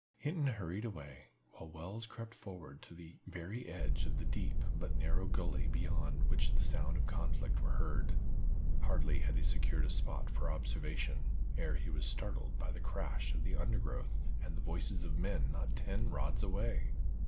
Hinton hurried away, while Wells crept forward to the very edge of the deep but narrow gully beyond which the sounds of conflict were heard. Hardly had he secured a spot for observation, ere he was startled by the crash of the undergrowth and the voices of men not ten rods away.